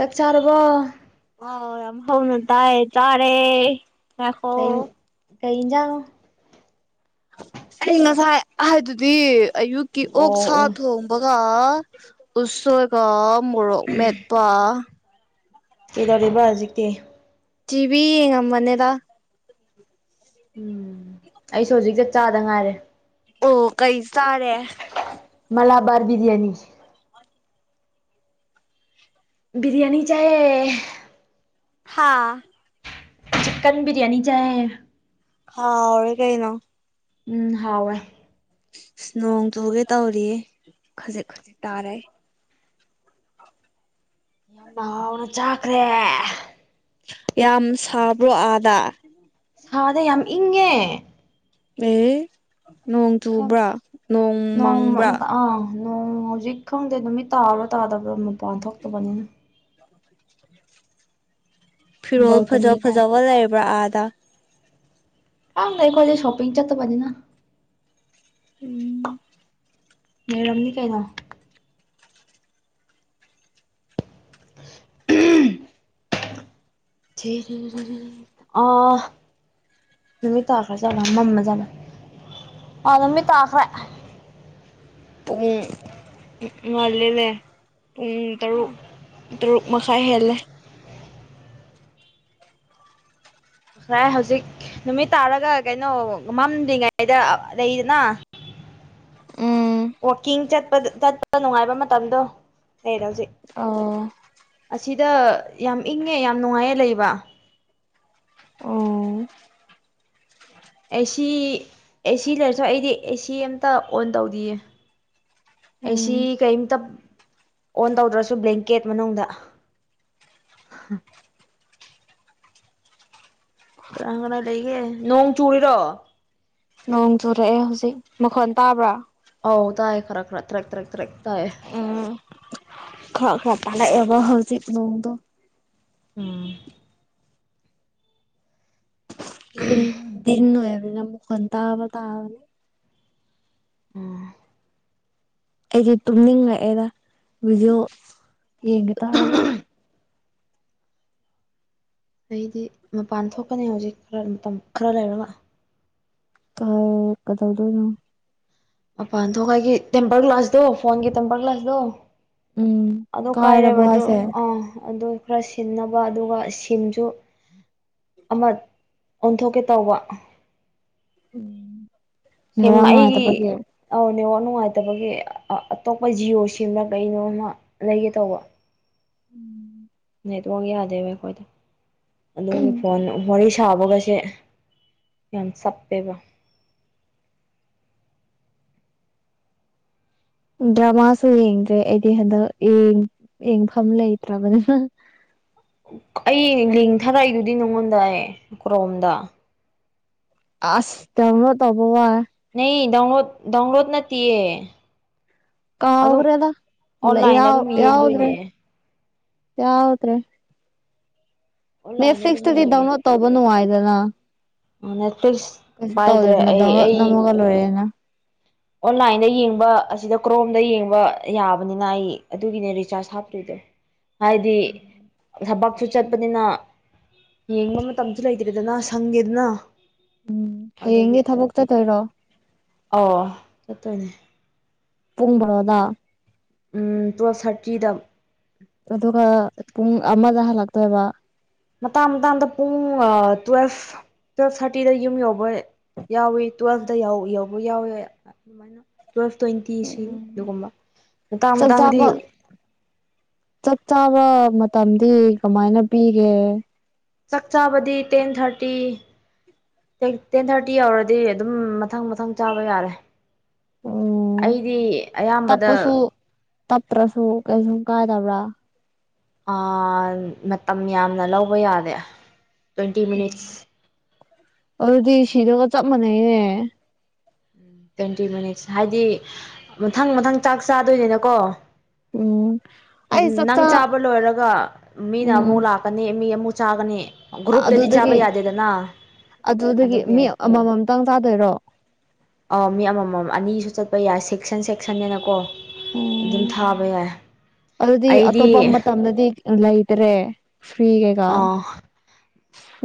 ꯆꯥꯛ ꯆꯥꯔꯕꯣ ꯑꯣ ꯌꯥꯝ ꯍꯧꯅ ꯇꯥꯏꯌꯦ ꯆꯥꯔꯦ ꯉꯥꯏꯈꯣ ꯀꯩꯟ ꯀꯩ ꯏꯟꯖꯥꯡ ꯑꯩ ꯉꯁꯥꯏ ꯍꯥꯏꯗꯨꯗꯤ ꯑꯌꯨꯛꯀꯤ ꯑꯣ ꯑꯣꯛꯁꯥ ꯑꯣ ꯊꯣꯡ ꯕꯒꯥ ꯎꯁꯣꯏꯒ ꯃꯣꯔꯣꯛ ꯃꯦꯠꯄꯥ ꯀꯦꯗꯧꯔꯤꯕ ꯍꯧꯖꯤꯛꯇꯤ ꯇꯤꯚꯤ ꯌꯦꯡꯉꯝꯕꯅꯦꯗꯥ ꯎꯝ ꯑꯩꯁꯨ ꯍꯧꯖꯤꯛꯇ ꯆꯥꯗ ꯉꯥꯏꯔꯦ ꯑꯣ ꯀꯩ ꯆꯥꯔꯦ ꯃꯂꯥ ꯕꯥꯔꯕꯤꯗꯤ ꯑꯅꯤ ꯕꯤꯔꯤꯌꯥꯅꯤ ꯆꯥꯏꯌꯦ ꯍꯥꯥ ꯆꯤꯛꯀꯟ ꯕꯤꯔꯤꯌꯥꯅꯤ ꯆꯥꯏꯌꯦ ꯍꯥꯎꯔꯦ ꯀꯩꯅꯣ ꯎꯝ ꯍꯥꯎꯔꯦ ꯅꯣꯡ ꯆꯨꯒꯦ ꯇꯧꯔꯤꯌꯦ ꯈꯖꯤꯛ ꯈꯖꯤꯛ ꯇꯥꯔꯦ ꯌꯥꯝꯅ ꯍꯥꯎꯅ ꯆꯥꯈ꯭ꯔꯦ ꯌꯥꯝ ꯁꯥꯕ꯭ꯔꯣ ꯑꯥꯗ ꯁꯥꯗꯦ ꯌꯥꯝ ꯏꯪꯉꯦ ꯑꯦ ꯅꯣꯡ ꯌꯥꯝ ꯆꯨꯕ꯭ꯔꯥ ꯅꯣꯡ ꯃꯪꯕ꯭ꯔꯥ ꯅꯣꯡ ꯍꯧꯖꯤꯛ ꯈꯪꯗꯦ ꯅꯨꯃꯤꯠ ꯇꯥꯕ꯭ꯔꯥ ꯇꯥꯗꯕ꯭ꯔ ꯃꯄꯥꯟ ꯊꯣꯛꯇꯕꯅꯤꯅ [inaudible] ꯐꯤꯔꯣꯜ ꯐꯖ ꯕꯜꯀꯅꯤꯗ ꯐꯥꯖꯕ ꯂꯩꯕ꯭ꯔꯥ ꯑꯗꯥ ꯀꯪꯗ ꯑꯩꯈꫭꯏꯗꯤ ꯁꯣꯄꯤꯡ ꯆꯠꯇꯕꯅꯤꯅ ꯎꯝ꯫ ꯂꯩꯔꯝꯅꯤ ꯀꯩꯅꯣ [inaudible] ꯑꯥ ꯅꯨꯃꯤꯠ ꯇꯥꯈ꯭ꯔꯥ ꯖꯥꯠꯂꯥ ꯃꯝꯃ ꯖꯥꯠꯂꯥ ꯑꯥ ꯅꯨꯃꯤꯠ ꯇꯥꯈ꯭ꯔꯦ꯫ ꯄꯨꯡ ꯉꯥꯜꯂꯤꯅꯦ ꯄꯨꯡ ꯇꯔꯨꯛ ꯇꯔꯨꯛ ꯃꯈꯥꯏ ꯍꯦꯜꯂꯦ ꯄ꯭ꯔꯥꯏ ꯍꯧꯖꯤꯛ ꯅꯨꯃꯤꯠ ꯇꯥꯔꯒ ꯀꯩꯅꯣ ꯃꯝꯗ꯭ꯔꯤꯉꯩꯗ ꯑꯥ ꯂꯩꯗꯅ ꯎꯝ ꯋꯔꯀꯤꯡ ꯆꯠꯄꯗ ꯆꯠꯄ ꯅꯨꯡꯉꯥꯏꯕ ꯃꯇꯝꯗꯣ ꯂꯩꯔꯦ ꯍꯧꯖꯤꯛ ꯑꯣ ꯑꯁꯤꯗ ꯌꯥꯝ ꯏꯪꯉꯦ ꯌꯥꯝ ꯅꯨꯡꯉꯥꯏꯌꯦ ꯂꯩꯕ ꯑꫭ ꯑꯦꯁꯤ ꯑꯦꯁꯤ ꯂꯩꯔꯁꯨ ꯑꯩꯗꯤ ꯑꯦꯁꯤ ꯑꯝꯇ ꯑꯣꯟ ꯇꯧꯗꯤꯌꯦ ꯑꯦꯁꯤ ꯎꯝ ꯀꯩꯝꯇ ꯑꯣꯟ ꯇꯧꯗ꯭ꯔꯥꯁꯨ ꯕ꯭ꯂꯦꯡꯀꯦꯠ ꯃꯅꯨꯡꯗ ꯀꯅꯥ ꯀꯅꯥꯥ ꯂꯩꯒꯦ ꯅꯣꯡ ꯆꯨꯔꯤꯔꯣ ꯅꯣꯡ ꯆꯨꯔꯛꯑꯦ ꯍꯧꯖꯤꯛ ꯃꯈꯣꯟ ꯇꯥꯕ꯭ꯔꯥ ꯑꯧ ꯇꯥꯏꯌꯦ ꯈꯔ ꯈꯔ ꯇ꯭ꯔꯦꯛ ꯇ꯭ꯔꯛ ꯇ꯭ꯔꯦꯛ ꯇꯥꯏꯌꯦ꯫ ꯎꯝ ꯈꯔ ꯈꯔ ꯄꯜꯂꯥꯛꯑꯦꯕ ꯍꯧꯖꯤꯛ ꯅꫭꯡꯗꫭ ꯎꯝ꯫ ꯌꯨꯝꯗꫭ ꯗꯤꯟ ꯑꫭꯏꯕꯅꯤꯅ ꯃꯨꯈꫭꯟ ꯇꯥꯕ ꯇꯥꯕꯅꯦ [inaudible] ꯑꯩꯗꯤ ꯇꯨꯝꯅꯤꯡꯂꯛꯑꯦꯗ ꯚꯤꯗꯤꯑꯣ ꯌꯦꯡꯒꯦ ꯇꯧꯔꯒ ꯑꯩꯗꯤ ꯃꯄꯥꯟ ꯊꯣꯛꯀꯅꯤ ꯍꯧꯖꯤꯛ ꯈꯔ ꯃꯇꯝ ꯈꯔ ꯂꯩꯔꯒ ꯀꯥꯜ ꯀꯩꯗꯧꯗꯨꯏꯅꯣ ꯃꯄꯥꯟ ꯊꯣꯛꯄꯒꯤ ꯇꯦꯝꯄꯔ ꯒ꯭ꯂꯥꯁꯇꯣ ꯐꯣꯟꯒꯤ ꯇꯦꯝꯄꯔ ꯒ꯭ꯂꯥꯁꯇꯣ ꯎꯝ ꯑꯗꯨ ꯀꯥꯏꯔꯕꯣ ꯀꯥꯏꯔꯦꯕ ꯑꯗꯨ ꯍꯥꯏꯁꯦ ꯑꯥ ꯑꯗꯨ ꯈꯔ ꯁꯤꯟꯅꯕ ꯑꯗꯨꯒ ꯁꯤꯝꯁꯨ ꯑꯃ ꯑꯣꯟꯊꯣꯛꯀꯦ ꯇꯧꯕ ꯎꯝ꯫ ꯁꯤꯝ ꯑꯩꯒꯤ ꯑꯧ ꯅꯦꯠꯋꯥꯛ ꯅꯨꯡꯉꯥꯏꯇꯕꯒꯤ ꯑ ꯑꯇꯣꯞꯄ ꯖꯤꯑꯣ ꯁꯤꯝꯔꯥ ꯀꯩꯅꯣꯝꯃ ꯂꯩꯒꯦ ꯇꯧꯕ꯫ ꯎꯝ꯫ ꯅꯦꯠꯋꯥꯛ ꯌꯥꯗꯦꯕ ꯑꯩꯈꯣꯏꯗ ꯑꯗꯨꯒꯤ ꯐꯣꯟ ꯋꯥꯔꯤꯁꯥ ꯁꯥꯕꯒꯁꯦ ꯌꯥꯝ ꯆꯥꯞꯄꯦꯕ ꯗ꯭ꯔꯃꯥꯁꯨ ꯌꯦꯡꯗ꯭ꯔꯦ ꯑꯩꯗꯤ ꯍꯟꯗꯛ ꯌꯦꯡ ꯌꯦꯡꯐꯝ ꯂꯩꯇ꯭ꯔꯥꯕꯅꯤꯅ ꯑꯩ ꯂꯤꯡꯛ ꯊꯔꯥꯛ ꯏ ꯗꯨꯗꯤ ꯅꯉꯣꯟꯗ ꯑꯩ ꯀ꯭ꯔꯣꯝꯗꯥ ꯑꯁ ꯗꯥꯎꯟꯂꯣꯠ ꯇꯧꯕ ꯋꯥꯏ ꯅꯩ ꯗꯥꯎꯟꯂꯣꯠ ꯗꯥꯎꯟꯂꯣꯠ ꯅꯠꯇꯤꯌꯦ ꯀꯥꯎꯈ꯭ꯔꯦꯗ ꯂꯩ ꯑꯣꯟꯂꯥꯏꯟꯗ ꯌꯥꯎ ꯑꯗꯨꯝ ꯌꯥꯎꯗ꯭ꯔꯦ ꯌꯦꯡꯗꯣꯏꯅꯦ ꯌꯥꯎꯗ꯭ꯔꯦ ꯑꯣꯟꯂꯥꯏꯟꯗ ꯑꯗꯨꯝ ꯅꯦꯠꯐ꯭ꯂꯤꯛꯁꯇꯗꯤ ꯌꯦꯡꯉꯦ ꯗꯥꯎꯟꯂꯣꯠ ꯇꯧꯕ ꯅꯨꯡꯉꯥꯏꯗꯅꯥ ꯅꯦꯠꯐ꯭ꯂꯤꯛꯁ ꯀꯩꯁꯨ ꯄꯥꯏꯗ꯭ꯔꯦ ꯇꯧꯗꯦꯗꯅ ꯑꯩ ꯗꯥꯎꯟꯂꯣꯠ ꯑꯩ ꯅꯝꯃꯒꯜ ꯂꫭꯏꯔꯦꯅ ꯑꯣꯟꯂꯥꯏꯟꯗ ꯌꯦꯡꯕ ꯑꯁꯤꯗ ꯀ꯭ꯔꯣꯝꯗ ꯌꯦꯡꯕ ꯌꯥꯕꯅꯤꯅ ꯑꯩ ꯑꯗꯨꯒꯤꯅꯦ ꯔꯤꯆꯥꯔꯖ ꯍꯥꯞꯇꯔꯤꯗꫭ ꯍꯥꯏꯗꯤ ꯊꯕꯛꯁꯨ ꯆꯠꯄꯅꯤꯅ ꯌꯦꯡꯕ ꯃꯇꯝꯁꯨ ꯂꯩꯇ꯭ꯔꯦꯗꯅ ꯁꯪꯗꯦꯗꯅ ꯑꯗꯨꯒꯤ ꯍꯌꯦꯡꯗꯤ ꯊꯕꯛ ꯆꯠꯇꯣꯏꯔꯣ ꯑꯣ ꯆꯠꯇꯣꯏꯅꯦ ꯄꯨꯡ ꯕꯥꯔꯣꯗ ꯎꯝ ꯇꯨꯌꯦꯜꯐ ꯊꯥꯔꯇꯤꯗ ꯑꯗꯨꯒ ꯆꯠꯀꯅꯤ ꯄꯨꯡ ꯑꯃꯗ ꯍꯜꯂꯛꯇꯣꯏꯕ ꯃꯇꯥꯡ ꯃꯇꯥꯡꯗ ꯄꯨꯡ ꯇꯨꯋꯦꯜꯐ ꯇꯨꯋꯦꯜꯐ ꯊꯥꯔꯇꯤꯗ ꯌꯨꯝ ꯌꯧꯕ ꯌꯥꯎꯋꯤ ꯇꯨꯋꯦꯜꯐꯇ ꯌꯧꯕ ꯌꯥꯎꯋꯤ ꯑꯗꯨꯃꯥꯏꯅ ꯇꯨꯋꯦꯜꯐ ꯇ꯭ꯋꯦꯟꯇꯤ ꯁꯤ ꯎꯝ ꯑꯗꯨꯒꯨꯝꯕ ꯃꯇꯥꯡ ꯃꯇꯥꯡꯗꯤ ꯆꯞ ꯆꯥꯕ ꯃꯇꯝꯗꯤ ꯀꯃꯥꯏꯅ ꯄꯤꯒꯦ ꯆꯥꯛ ꯆꯥꯕꯗꯤ ꯇꯦꯟ ꯊꯥꯔꯇꯤ ꯇꯦꯛ ꯇꯦꯟ ꯊꯥꯔꯇꯤ ꯌꯧꯔꯗꯤ ꯑꯗꯨꯝ ꯃꯊꯪ ꯃꯊꯪ ꯆꯥꯕ ꯌꯥꯔꯦ ꯎꯝ ꯑꯩꯗꯤ ꯑꯌꯥꯝꯕꯗ ꯇꯞꯄꯁꯨ ꯇꯞꯇ꯭ꯔꯁꯨ ꯀꯩꯁꯨꯨꯝ ꯀꯥꯏꯗꯕ꯭ꯔꯥ ꯑꯥ ꯃꯇꯝ ꯌꯥꯝꯅ ꯂꯧꯕ ꯌꯥꯗꯦ ꯇ꯭ꯋꯦꯟꯇꯤ ꯃꯤꯅꯤꯠꯁ ꯑꯗꯨꯗꯤ ꯁꯤꯗꯧꯒ ꯆꯞ ꯃꯥꯟꯅꯩꯅꯦ ꯇ꯭ꯋꯦꯟꯇꯤ ꯃꯤꯅꯤꯠꯁ ꯍꯥꯏꯗꯤ ꯃꯊꯪ ꯃꯊꯪ ꯆꯥꯛ ꯆꯥꯗꯣꯏꯅꯤꯅꯀꯣ ꯎꯝ ꯑꯩ ꯎꯝ ꯅꯪ ꯆꯥꯛꯆꯥ ꯆꯥꯕ ꯂꯣꯏꯔꯒ ꯃꯤꯅ ꯎꯝ ꯑꯃꯨꯛ ꯂꯥꯛ ꯀꯅꯤ ꯃꯤ ꯑꯃꯨꯛ ꯆꯥꯒꯅꯤ ꯒ꯭ꯔꯨꯞꯇꯗꯤ ꯆꯥꯕ ꯑꯗꯨꯗꯒꯤ ꯌꯥꯗꯦꯗꯅ ꯑꯗꯨꯗꯒꯤ ꯑꯗꯨꯒꯤ ꯃꯤ ꯑꯃꯃꯝꯇꯪ ꯆꯥꯗꯣꯏꯔꯣ ꯑꯥ ꯃꯤ ꯑꯃꯃꯝ ꯑꯅꯤꯁꯨ ꯆꯠꯄ ꯌꯥꯏ ꯁꯦꯛꯁꯟ ꯁꯦꯛꯁꯟꯅꯤꯅꯀꯣ ꯑꯗꯨꯝ ꯊꯥꯕ ꯌꯥꯏ ꯑꯩꯗꯤ ꯌꯥꯝꯅꯗꯤ ꯂꯩꯇ꯭ꯔꯦ ꯐ꯭ꯔꯤ ꯀꯩꯀꯥ ꯑꯥ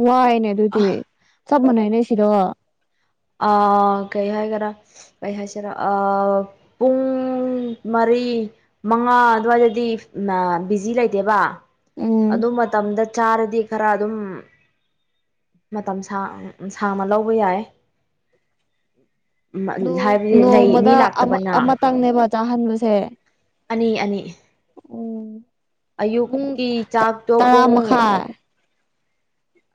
ꯋꯥꯏꯅꯦ ꯑꯗꯨꯗꯤ ꯆꯞ ꯃꯥꯟꯅꯩꯅꯦ ꯁꯤꯗꯒ ꯑꯥ ꯀꯩ ꯍꯥꯏꯒꯦꯔ ꯀꯩ ꯍꯥꯏꯁꯤꯔꯥ ꯑꯥ ꯄꯨꯡ ꯃꯔꯤ ꯃꯉꯥ ꯑꯗꯨꯋꯥꯏꯗꯗꯤ ꯑꯥ ꯕꯤꯖꯤ ꯂꯩꯇꯦꯕ ꯑꯗꯨ ꯃꯇꯝꯗ ꯆꯥꯔꯗꯤ ꯈꯔ ꯑꯗꯨꯝ ꯃꯇꯝ ꯁꯥꯡ ꯁꯥꯡꯅ ꯂꯧꯕ ꯌꯥꯏꯌꯦ ꯎꯪ ꯍꯥꯏꯕꯗꯤ ꯂꯩ ꯃꯤ ꯅꯣꯡꯃꯗ ꯂꯥꯛꯇꯕꯅ ꯑꯃꯇꯪꯅꯦꯕ ꯆꯥꯍꯟꯕꯁꯦ ꯑꯅꯤ ꯑꯅꯤ ꯄꯨꯡ ꯑꯌꯨꯛꯀꯤ ꯆꯥꯛꯇꯣ ꯇꯔꯥ ꯄꯨꯡ ꯃꯈꯥꯏ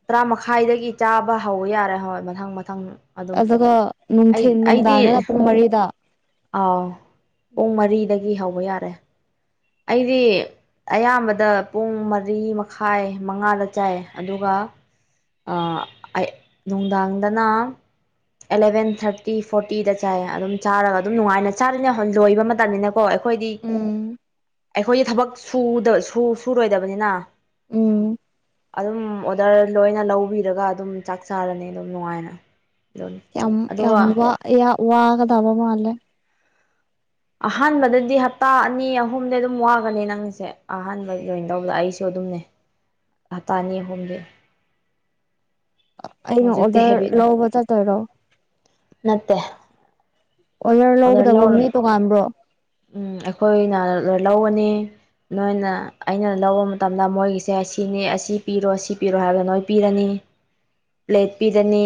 ꯇꯔꯥ ꯃꯈꯥꯏꯗꯒꯤ ꯆꯥꯕ ꯍꯧ ꯌꯥꯔꯦ ꯍꯣꯏ ꯃꯊꯪ ꯃꯊꯪ ꯑꯗꯨꯝ ꯑꯗꯨꯒ ꯑꯩ ꯅꯨꯡꯊꯤꯟ ꯅꯨꯡꯗꯥꯡꯗꯅ ꯑꯩꯗꯤ ꯄꯨꯡ ꯃꯔꯤꯗ ꯑꯥꯎ ꯄꯨꯡ ꯃꯔꯤꯗꯒꯤ ꯍꯧꯕ ꯌꯥꯔꯦ ꯑꯩꯗꯤ ꯑꯌꯥꯝꯕꯗ ꯄꯨꯡ ꯃꯔꯤ ꯃꯈꯥꯏ ꯃꯉꯥꯗ ꯆꯥꯏꯌꯦ ꯑꯗꯨꯒ ꯑꯥ ꯑꯩ ꯅꯨꯡꯗꯥꯡꯗꯅ ꯑꯦꯂꯕꯦꯟ ꯊꯥꯔꯇꯤ ꯐꯣꯔꯇꯤꯗ ꯆꯥꯏꯌꯦ ꯑꯗꯨꯝ ꯆꯥꯔꯒ ꯑꯗꯨꯝ ꯅꯨꯡꯉꯥꯏꯅ ꯆꯥꯔꯅꯤ ꯂꯣꯏꯕ ꯃꯇꯝꯅꯤꯅꯀꯣ ꯑꯩꯈꯣꯏꯗꯤ ꯎꯝ ꯑꯩꯈꯣꯏꯗꯤ ꯊꯕꯛ ꯁꯨꯗ ꯁꯨꯔꯣꯏꯗꯕꯅꯤꯅ ꯎꯝ ꯑꯗꯨꯝ ꯑꯣꯗꯔ ꯂꯣꯏꯅ ꯂꯧꯕꯤꯔꯒ ꯑꯗꯨꯝ ꯆꯥꯛ ꯆꯥꯔꯅꯤ ꯑꯗꯨꯝ ꯅꯨꯡꯉꯥꯏꯅ ꯑꯗꯨꯅꯤ ꯌꯥꯝ ꯌꯥꯝ ꯑꯗꯨꯒ ꯋꯥ ꯌꯥ ꯋꯥꯒꯗꯕ ꯃꯥꯜꯂꯦ ꯑꯍꯥꯟꯕꯗꯗꯤ ꯍꯞꯇꯥ ꯑꯅꯤ ꯑꯍꯨꯝꯗꯤ ꯑꯗꯨꯝ ꯋꯥꯒꯅꯤ ꯅꯪꯁꯦ ꯑꯍꯥꯟꯕꯒꯤ ꯖꯣꯏꯟ ꯇꯧꯕꯗ ꯑꯩꯁꯨ ꯑꯗꯨꯝꯅꯦ ꯍꯥꯞꯇ ꯑꯅꯤ ꯑꯍꯨꯝꯗꯤ ꯑꯩꯅ ꯍꯧꯖꯤꯛꯇꯤ ꯑꯣꯗꯔ ꯍꯦꯕꯤꯠ ꯂꯧꯕ ꯆꯠꯇꯣꯏꯔꯣ ꯅꯠꯇꯦ ꯑꯣꯔꯗꯔ ꯑꯣꯗꯔ ꯂꯧꯒꯗꯕ ꯂꯧꯔ ꯃꯤ ꯇꯣꯉꯥꯟꯕ꯭ꯔꯣ ꯎꯝ ꯑꯩꯈꯣꯏꯅ ꯂꯧꯒꯅꯤ ꯅꯣꯏꯅ ꯑꯩꯅ ꯂꯧꯕ ꯃꯇꯝꯗ ꯃꯣꯏꯒꯤꯁꯦ ꯁꯤꯅꯤ ꯑꯁꯤ ꯄꯤꯔꯣ ꯁꯤ ꯄꯤꯔꯣ ꯍꯥꯏꯕꯗ ꯅꯣꯏ ꯄꯤꯔꯅꯤ ꯄ꯭ꯂꯦꯠ ꯄꯤꯔꯅꯤ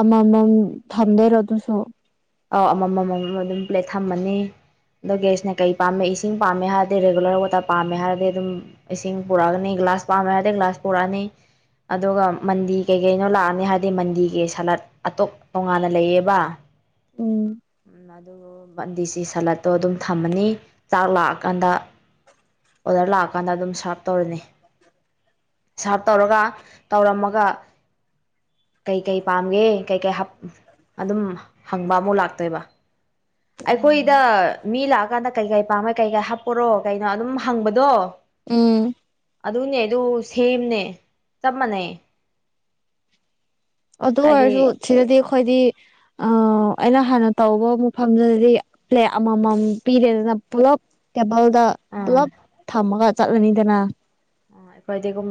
ꯑꯃꯃꯝ ꯊꯝꯗꯣꯏꯔꯥ ꯑꯗꯨꯁꯨ ꯑꯥꯎ ꯑꯃꯃꯝ ꯑꯃꯃꯝ ꯑꯗꯨꯝ ꯄ꯭ꯂꯦꯠ ꯊꯝꯃꯅꯤ ꯑꯗꯣ ꯒ꯭ꯌꯥꯁꯅ ꯀꯩ ꯄꯥꯝꯃꯦ ꯏꯁꯤꯡ ꯄꯥꯝꯃꯦ ꯍꯥꯏꯔꯗꯤ ꯔꯦꯒꯨꯂꯔ ꯋꯥꯇꯔ ꯄꯥꯝꯃꯦ ꯍꯥꯏꯔꯗꯤ ꯑꯗꯨꯝ ꯏꯁꯤꯡ ꯄꯨꯔꯛꯑꯅꯤ ꯒ꯭ꯂꯥꯁ ꯄꯥꯝꯃꯦ ꯍꯥꯏꯗ ꯒ꯭ꯂꯥꯁ ꯄꯨꯔꯛꯑꯅꯤ ꯑꯗꯨꯒ ꯃꯟꯗꯤ ꯀꯩ ꯀꯩꯅꯣ ꯂꯥꯛꯑꯅꯤ ꯍꯥꯏꯗꯤ ꯃꯟꯗꯤꯒꯤ ꯁꯂꯠ ꯑꯇꯣꯞ ꯇꯣꯉꯥꯟꯅ ꯂꯩꯌꯦꯕ ꯎꯝ ꯑꯗꯨ ꯕꯟꯗꯤꯁꯤ ꯁꯂꯠꯇꯣ ꯑꯗꯨꯝ ꯊꯝꯃꯅꯤ ꯆꯥꯛ ꯂꯥꯛꯑꯀꯥꯟꯗ ꯑꯣꯗꯔ ꯂꯥꯛꯑꯀꯥꯟꯗ ꯑꯗꯨꯝ ꯁꯥꯔꯞ ꯇꯧꯔꯅꯤ ꯁꯥꯔꯞ ꯇꯧꯔꯒ ꯇꯧꯔꯝꯃꯒ ꯀꯩꯀꯩ ꯄꯥꯝꯒꯦ ꯀꯩꯀꯩ ꯑꯗꯨꯝ ꯍꯪꯕ ꯑꯃꯨꯛ ꯂꯥꯛ ꯇꯩꯕ ꯑꯩꯈꯣꯏꯗ ꯃꯤ ꯂꯥꯛꯑꯀꯥꯟꯗ ꯀꯩꯀꯩ ꯄꯥꯝꯃꯦ ꯀꯩꯀꯥꯏ ꯍꯥꯞꯄꯣꯔꯣ ꯀꯩꯅꯣ ꯑꯗꯨꯝ ꯍꯪꯕꯗꯣ ꯑꯥ ꯑꯗꯨꯅꯦ ꯑꯗꯨ ꯁꯦꯝꯅꯦ ꯆꯞ ꯃꯥꯟꯅꯩ ꯑꯗꯨ ꯍꯥꯏꯗꯤ ꯑꯣꯏꯔꯁꯨ ꯁꯤꯗꯗꯤ ꯑꯩꯈꯣꯏꯗꯤ ꯑ ꯑꯩꯅ ꯍꯥꯟꯅ ꯇꯧꯕ ꯃꯐꯝꯗꯨꯗꯗꯤ ꯄ꯭ꯂꯦꯠ ꯑꯃꯃꯝ ꯄꯤꯔꯦꯗꯅ ꯄꯨꯂꯞ ꯇꯦꯕꯜꯗ ꯑꯥ ꯄꯨꯂꯞ ꯊꯝꯃꯒ ꯆꯠꯂꯅꯤꯗꯅ ꯑꯩꯈꯣꯏꯗꯤꯒꯨꯝ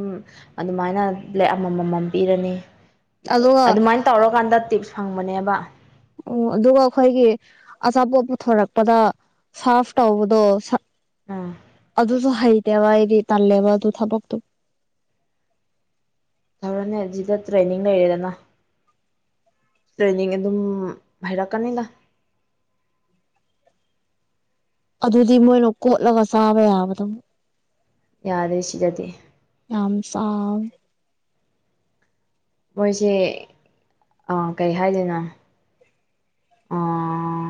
ꯑꯗꯨꯃꯥꯏꯅ ꯄ꯭ꯂꯦꯛ ꯑꯃꯝꯃꯝ ꯄꯤꯔꯅꯤ ꯑꯗꯨꯒ ꯑꯗꯨꯃꯥꯏꯅ ꯇꯧꯔꯀꯥꯟꯗ ꯇꯤꯞꯁ ꯐꯪꯕꯅꯦꯕ ꯑꯣ ꯑꯗꯨꯒ ꯑꯩꯈꯣꯏꯒꯤ ꯑꯆꯥꯄꯣꯠ ꯄꯨꯊꯣꯔꯛꯄꯗ ꯁꯥꯔꯐ ꯇꯧꯕꯗꯣ ꯑꯥ ꯑꯗꯨꯁꯨ ꯍꯩꯇꯦꯕꯥ ꯑꯩꯗꯤ ꯇꯥꯂꯦꯕ ꯑꯗꯨ ꯊꯕꯛꯇꯨ ꯊꯔꯅꯦ ꯑꯗꯨꯗ ꯇ꯭ꯔꯦꯅꯤꯡ ꯂꯩꯔꯦꯗꯅ ꯇ꯭ꯔꯦꯅꯤꯡ ꯑꯗꯨꯝ ꯍꯥꯏꯔꯛꯀꯅꯤꯗ ꯑꯗꯨꯗꯤ ꯃꯣꯏꯅ ꯀꯣꯠꯂꯒ ꯆꯥꯕ ꯌꯥꯕꯗ ꯌꯥꯗꯦ ꯁꯤꯗꯗꯤ ꯌꯥꯝ ꯆꯥ ꯃꯣꯏꯁꯦ ꯀꯔꯤ ꯍꯥꯏꯗꯅꯣ ꯑꯥ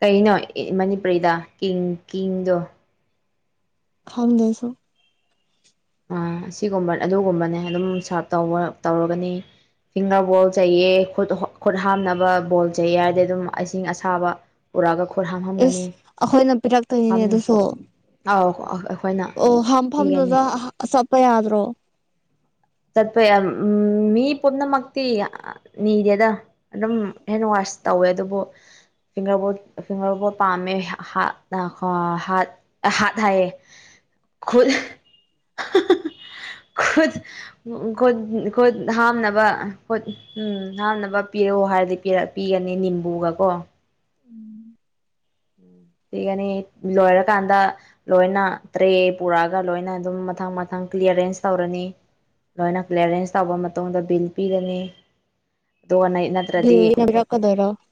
ꯀꯩꯅꯣ ꯏ ꯃꯅꯤꯄꯨꯔꯤꯗ ꯀꯤꯡ ꯀꯤꯡꯗꯣ ꯈꯪꯗꯦ ꯑꯩꯁꯨ ꯑꯥ ꯑꯁꯤꯒꯨꯝꯕ ꯑꯗꯨꯒꯨꯝꯕꯅꯦ ꯑꯗꯨꯝ ꯁꯥꯔꯚ ꯇꯧꯔ ꯇꯧꯔꯒꯅꯤ ꯐꯤꯡꯒꯔ ꯕꯣꯜ ꯆꯩꯌꯦ ꯈꯨꯠ ꯍꯣ ꯈꯨꯠ ꯍꯥꯝꯅꯕ ꯕꯣꯜ ꯆꯩꯌꯦꯗꯤ ꯑꯗꯨꯝ ꯑꯁꯤꯡ ꯑꯁꯥꯕ ꯄꯨꯔꯛꯑꯒ ꯈꯨꯠ ꯍꯥꯝꯍꯟꯒꯅꯤ ꯏꯁ ꯑꯩꯈꯣꯏꯅ ꯍꯥꯝ ꯄꯤꯔꯛꯇꯣꯏꯅꯤꯅꯦ ꯑꯗꯨꯁꯨ ꯑꯥꯎ ꯑ ꯑ ꯑꯣ ꯍꯥꯝꯐꯝꯗꯨꯗ ꯍꯥ ꯆꯠꯄ ꯌꯥꯗ꯭ꯔꯣ ꯆꯠꯄ ꯌꯥꯝ ꯃꯤ ꯄꯨꯝꯅꯃꯛꯇꯤ ꯑ ꯅꯤꯗꯦꯗ ꯑꯗꯨꯝ ꯍꯦꯟꯋꯥꯁ ꯇꯧꯋꯦ ꯑꯗꯨꯕꯨ ꯐꯤꯡꯒꯔ ꯕꯣꯔꯗ ꯐꯤꯡꯒꯔ ꯕꯣꯔꯗ ꯄꯥꯃꯦ ꯍꯥꯠ ꯑ ꯍꯥꯠ ꯑ ꯍꯥꯠ ꯍꯥꯏꯌꯦ ꯈꯨꯠ ꯈꯨꯠ ꯎꯝ ꯈꯨꯠ ꯈꯨꯠ ꯍꯥꯝꯅꯕ ꯈꯨꯠ ꯎꯝ ꯍꯥꯝꯅꯕ ꯄꯤꯔꯛꯑꯣ ꯍꯥꯏꯔꯗꯤ ꯄꯤꯔꯛ ꯄꯤꯒꯅꯤ ꯅꯤꯝꯕꯨꯒ ꯀꯣ [inaudible] ꯄꯤꯒꯅꯤ ꯂꯣꯏꯔꯀꯥꯟꯗ ꯂꯣꯏꯅ ꯑꯗꯩ ꯄꯨꯔꯛꯑꯒ ꯂꯣꯏꯅ ꯑꯗꯨꯝ ꯃꯊꯪ ꯃꯊꯪ ꯀ꯭ꯂꯤꯌꯔꯦꯟꯁ ꯇꯧꯔꯅꯤ ꯂꯣꯏꯅ ꯀ꯭ꯂꯤꯌꯔꯦꯟꯁ ꯇꯧꯕ ꯃꯇꯨꯡꯗ ꯕꯤꯜ ꯄꯤꯔꯅꯤ ꯑꯗꯨꯒ ꯅꯩꯅ [unintelligible]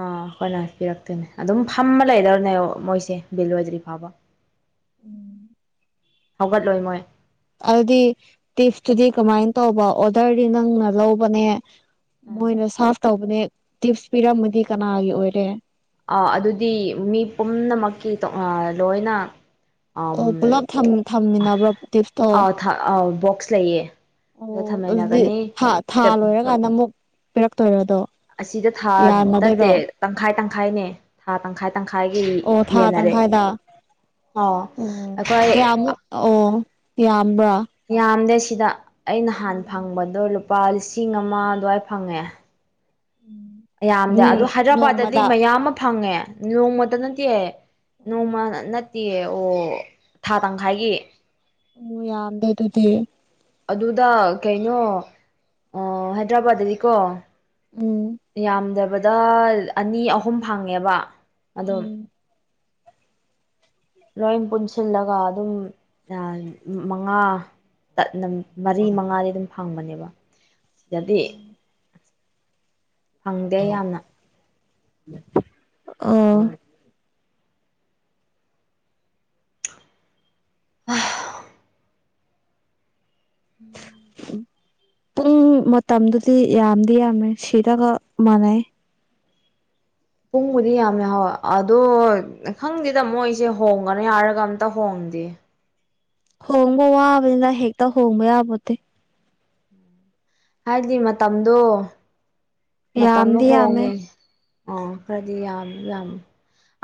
ꯑ ꯑꯩꯈꯣꯏꯅ ꯄꯤꯔꯛꯇꯣꯏꯅꯦ ꯑꯗꯨꯝ ꯐꯝꯃ ꯂꯩꯗꯧꯅꯦꯕ ꯃꯣꯏꯁꯦ ꯕꯤꯜ ꯂꯣꯏꯗ꯭ꯔꯤ ꯐꯥꯎꯕ [inaudible] ꯍꯧꯒꯠꯂꯣꯏ ꯃꯣꯏ ꯑꯗꯨꯗꯤ ꯇꯤꯞꯇꯨꯗꯤ ꯀꯃꯥꯏꯟ ꯇꯧꯕ ꯑꯣꯔꯗꯔꯗꯤ ꯅꯪꯅ ꯂꯧꯕꯅꯦ ꯑꯥ ꯃꯣꯏꯅ ꯁꯥꯔꯐ ꯇꯧꯕꯅꯦ ꯇꯤꯞꯁ ꯄꯤꯔꯝꯃꯗꯤ ꯀꯅꯥꯒꯤ ꯑꯣꯏꯔꯦ ꯑ ꯑꯗꯨꯗꯤ ꯃꯤ ꯄꯨꯝꯅꯃꯛꯀꯤ ꯇꯣ ꯑ ꯂꯣꯏꯅ ꯑꯣ ꯄꯨꯂꯞ ꯊꯝ ꯊꯝꯃꯤꯟꯅꯕ꯭ꯔꯣ ꯇꯤꯞꯁꯇꯣ ꯑꯥꯎ ꯊꯥ ꯑꯧ ꯕꯣꯛꯁ ꯂꯩꯌꯦ ꯑꯗ ꯑꯣ ꯑꯗꯨꯗꯤ ꯊꯝꯃꯤꯟꯅꯒꯅꯤ ꯊꯥ ꯊꯥ ꯂꯣꯏꯔꯀꯥꯟꯗ ꯑꯃꯨꯛ ꯄꯤꯔꯛꯇꯣꯏꯔꯣ ꯑꯗꯣ ꯑꯁꯤꯗ ꯊꯥ ꯅꯠꯇꯦ ꯌꯥꯅꯗꯣꯏꯔꯣ ꯇꯪꯈꯥꯏ ꯇꯪꯈꯥꯏꯅꯦ ꯊꯥ ꯇꯪꯈꯥꯏ ꯇꯪꯈꯥꯏꯒꯤ ꯑꯣ ꯊꯥ ꯌꯦꯟꯅꯔꯦ ꯇꯪꯈꯥꯏꯗ ꯑꯣ ꯑꯣ ꯑꯩꯈꯣꯏ ꯀꯌꯥꯃꯨꯛ ꯑꯣ ꯌꯥꯝꯕ꯭ꯔꯥ ꯌꯥꯝꯗꯦ ꯁꯤꯗ ꯑꯩ ꯅꯍꯥꯟ ꯐꯪꯕꯗꯣ ꯂꯨꯄꯥ ꯂꯤꯁꯤꯡ ꯑꯃ ꯑꯗꯨꯋꯥꯏ ꯐꯪꯉꯦ ꯌꯥꯝꯗꯦ ꯎꯝ ꯑꯗꯣ ꯍꯥꯏꯗ꯭ꯔꯕꯥꯠꯇꯗꯤ ꯅꯣꯡꯃꯗ ꯃꯌꯥꯝꯃ ꯐꯪꯉꯦ ꯅꯣꯡꯃꯇ ꯅꯠꯇꯦ ꯎꯝ ꯅꯣꯡꯃ ꯅꯠꯇꯤꯌꯦ ꯑꯣ ꯊꯥ ꯇꯪꯈꯥꯏꯒꯤ ꯑꯣ ꯌꯥꯝꯗꯦ ꯑꯗꯨꯗꯤ ꯑꯗꯨꯗ ꯀꯩꯅꯣ ꯑ ꯍꯥꯏꯗ꯭ꯔꯕꯥꯠꯇꯗꯤꯀꯣ ꯎꯝ ꯌꯥꯝꯗꯔꯕꯗ ꯑꯅꯤ ꯑꯍꯨꯝ ꯐꯪꯉꯦꯕ ꯑꯗꯨꯝ ꯂꯣꯏ ꯄꯨꯟꯁꯤꯜꯂꯒ ꯑꯗꯨꯝ ꯌꯥꯝ ꯃꯉꯥ ꯇꯠꯅ ꯃꯔꯤ ꯃꯉꯥꯗꯤ ꯑꯗꯨꯝ ꯐꯪꯕꯅꯦꯕ ꯁꯤꯗꯗꯤ ꯐꯪꯗꯦ ꯌꯥꯝꯅ [unintelligible] ꯑꯣ [unintelligible] [inaudible] ꯄꯨꯡ ꯃꯇꯝꯗꯨꯗꯤ ꯌꯥꯝꯗꯤ ꯌꯥꯝꯃꯦ ꯁꯤꯗꯒ ꯃꯥꯟꯅꯩ ꯄꯨꯡꯕꯨꯗꯤ ꯌꯥꯝꯅ ꯍꯥꯎ ꯑꯗꯣ ꯈꯪꯗꯦꯗ ꯃꯣꯏꯁꯦ ꯍꯣꯡꯒꯅꯤ ꯍꯥꯏꯔꯒ ꯑꯝꯇ ꯍꯣꯡꯗꯦ ꯍꯣꯡꯕ ꯋꯥꯕꯅꯤꯅ ꯍꯦꯛꯇ ꯍꯣꯡꯕ ꯌꯥꯄꯣꯇꯦ ꯍꯥꯏꯕꯗꯤ ꯃꯇꯝꯗꯣ ꯃꯇꯝꯗꯣ ꯌꯥꯝꯗꯤ ꯌꯥꯝꯃꯦ ꯍꯣꯡꯉꯦ ꯑꯣ ꯈꯔꯗꯤ ꯌꯥꯝ ꯌꯥꯝ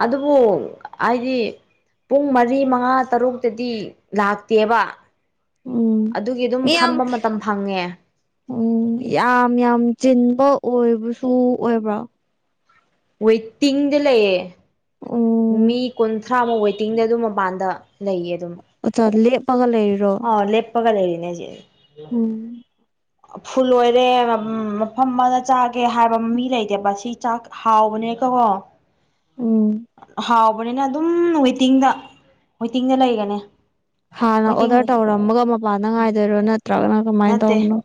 ꯑꯗꯨꯕꯨ ꯑꯩꯗꯤ ꯄꯨꯡ ꯃꯔꯤ ꯃꯉꯥ ꯇꯔꯨꯛꯇꯗꯤ ꯂꯥꯛꯇꯦꯕ ꯎꯝ ꯑꯗꯨꯒꯤ ꯑꯗꯨꯝ ꯃꯤ ꯌꯥꯝ ꯐꯝꯕ ꯃꯇꯝ ꯐꯪꯉꯦ ꯎꯝ ꯌꯥꯝ ꯌꯥꯝ ꯆꯤꯟꯕ ꯑꯣꯏꯕꯁꯨ ꯑꯣꯏꯕ꯭ꯔꯣ ꯋꯣꯏꯇꯤꯡꯗ ꯂꯩꯌꯦ ꯎꯝ ꯃꯤ ꯀꯨꯟꯊ꯭ꯔꯥꯃꯨꯛ ꯋꯦꯇꯤꯡꯗ ꯑꯗꯨ ꯃꯄꯥꯟꯗ ꯂꯩꯌꯦ ꯑꯗꯨꯝ ꯑꯆꯥ ꯂꯦꯞꯄꯒ ꯂꯩꯔꯤꯔꯣ ꯑꯣ ꯂꯦꯄꯒ ꯂꯩꯔꯤꯅꯦ ꯍꯖꯤꯛ ꯎꯝ ꯐꯨꯜ ꯑꯣꯏꯔꯦ ꯃꯐꯝ ꯑꯃꯗ ꯆꯥꯒꯦ ꯍꯥꯏꯕ ꯃꯤ ꯂꯩꯇꯦꯕ ꯁꯤ ꯆꯥꯛ ꯍꯥꯎꯕꯅꯦ ꯀ ꯀꯣ ꯎꯝ ꯍꯥꯎ ꯐꯕꯅꯤꯅ ꯑꯗꯨꯝ ꯋꯦꯇꯤꯡꯗ ꯋꯦꯇꯤꯡꯗ ꯂꯩꯒꯅꯤ ꯍꯥꯟꯅ ꯋꯦꯇꯤꯡ ꯑꯣꯔꯗꯔ ꯇꯧꯔꯝꯃꯒ ꯃꯄꯥꯟꯗ ꯉꯥꯏꯗꯣꯏꯔꯣ ꯅꯠꯇ꯭ꯔꯒꯅ ꯀꯃꯥꯏꯅ ꯅꯠꯇꯦ ꯇꯧꯕꯅꯣ꯫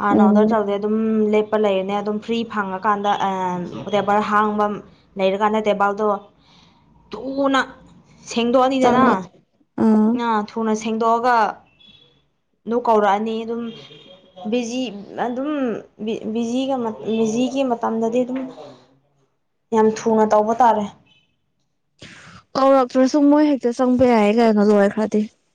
ꯍꯥꯟꯅ ꯎꯝ ꯑꯣꯗꯔ ꯇꯧ ꯑꯗꯩ ꯑꯗꯨꯝ ꯂꯦꯞꯄ ꯂꯩꯔꯦꯅꯦ ꯑꯗꯨꯝ ꯐ꯭ꯔꯤ ꯐꯪꯉꯀꯥꯟꯗ ꯗꯦꯕꯔ ꯍꯥꯡꯕ ꯂꯩꯔꯀꯥꯟꯅ ꯇꯦꯕꯥꯜꯗꯣ ꯊꯨꯅ ꯁꯦꯡꯗꯣꯛꯑꯅꯤꯗꯅ ꯆꯪꯉꯛ ꯑꯥ ꯅ ꯊꯨꯅ ꯁꯦꯡꯗꯣꯛꯑꯒ ꯑꯗꯨ ꯀꯧꯔꯛꯑꯅꯤ ꯑꯗꯨꯝ ꯕꯤꯖꯤ ꯑꯗꯨꯝ ꯕꯤꯖꯤꯒꯤ ꯃꯇꯝꯗꯗꯤ ꯑꯗꯨꯝ ꯌꯥꯝ ꯊꯨꯅ ꯇꯧꯕ ꯇꯥꯔꯦ꯫ ꯀꯧꯔꯥꯛꯇ꯭ꯔ ꯁꯨ ꯃꯣꯏ ꯍꯦꯛꯇ ꯆꯪꯕ ꯌꯥꯏꯌꯦ ꯀꯅꯣ ꯂꯣꯏꯈ꯭ꯔꯗꯤ꯫